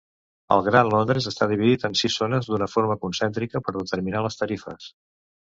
El Gran Londres està dividit en sis zones d'una forma concèntrica per determinar les tarifes.